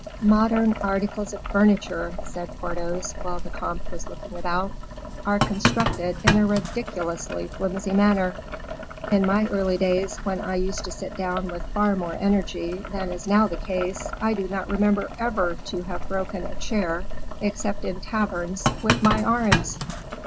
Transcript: "Modern articles of furniture," said Porthos, while the comte was looking about, "are constructed in a ridiculously flimsy manner. In my early days, when I used to sit down with far more energy than is now the case, I do not remember ever to have broken a chair, except in taverns, with my arms."